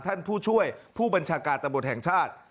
ท่านผู้ช่วยผู้บัญชาการตำรวจแห่งชาติ